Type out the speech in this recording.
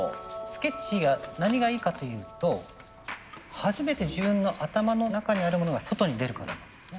スケッチが何がいいかというと初めて自分の頭の中にあるものが外に出るからなんですね。